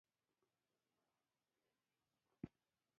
انسان پرانيستي ذهن ورسره وويني.